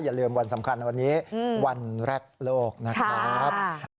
อย่าลืมวันสำคัญวันนี้วันแรกโลกนะครับ